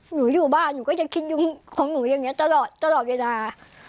หนูอยู่บ้านหนูก็จะคิดอยู่ของหนูอย่างเงี้ยตลอดตลอดเวลา